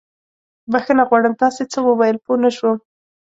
بښنه غواړم، تاسې څه وويل؟ پوه نه شوم.